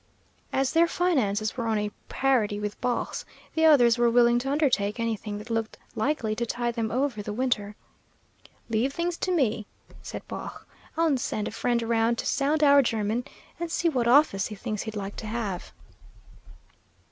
As their finances were on a parity with Baugh's, the others were willing to undertake anything that looked likely to tide them over the winter. "Leave things to me," said Baugh. "I'll send a friend around to sound our German, and see what office he thinks he'd like to have."